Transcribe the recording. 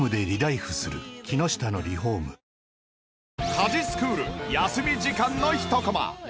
家事スクール休み時間のひとコマ。